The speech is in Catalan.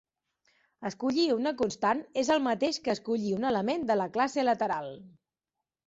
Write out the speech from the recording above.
Escollir una constant és el mateix que escollir un element de la classe lateral.